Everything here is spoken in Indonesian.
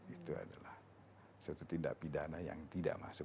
itu adalah suatu tindak pidana yang tidak masuk